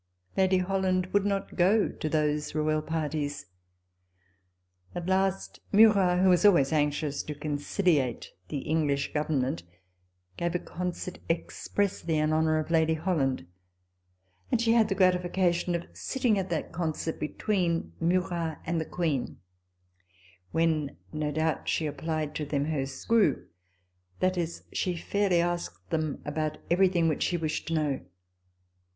Lady Holland would not go to those royal parties. At last Murat, who was always anxious to con ciliate the English Government, gave a concert expressly in honour of Lady Holland ; and she had the gratification of sitting, at that concert, between Murat and the Queen, when, no doubt, she applied to them her screw, that is, she fairly asked them about everything which she wished to know.